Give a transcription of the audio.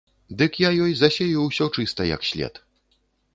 Дык я ёй засею ўсё чыста як след.